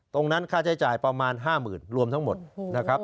ค่าใช้จ่ายประมาณ๕๐๐๐รวมทั้งหมดนะครับ